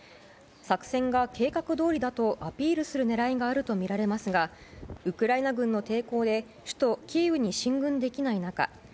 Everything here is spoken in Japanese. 作戦が計画どおりだとアピールする狙いがあるとみられますがウクライナ軍の抵抗で首都キーウに進軍できない中